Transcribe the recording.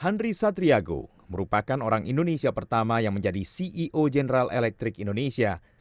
henry satriago merupakan orang indonesia pertama yang menjadi ceo general elektrik indonesia